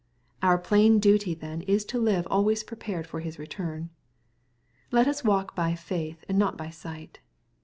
Our plain duty then is to live always prepared for His return. Let us walk by faith, and not by sight.